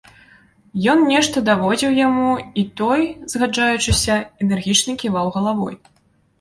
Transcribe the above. Ён нешта даводзіў яму, і той, згаджаючыся, энергічна ківаў галавой.